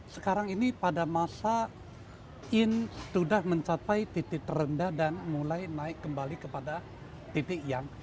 sekarang ini pada masa in sudah mencapai titik terendah dan mulai naik kembali kepada titik yang